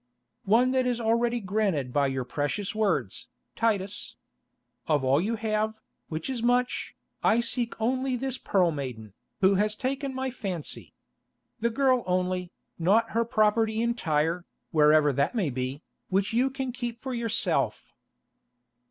"One that is already granted by your precious words, Titus. Of all you have, which is much, I seek only this Pearl Maiden, who has taken my fancy. The girl only, not her property in Tyre, wherever that may be, which you can keep for yourself."